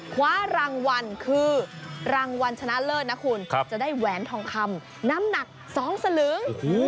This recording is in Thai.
คว้ารางวัลคือรางวัลชนะเลิศนะคุณจะได้แหวนทองคำน้ำหนัก๒สลึง